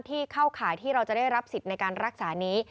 เข้าข่ายที่เราจะได้รับสิทธิ์ในการรักษานี้